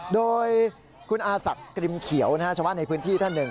โดยคุณอาศักดิ์กริมเขียวชาวบ้านในพื้นที่ท่านหนึ่ง